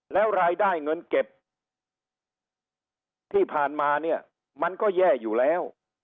แล้วรายได้เงินเก็บที่ผ่านมาเนี่ยมันก็แย่อยู่แล้ว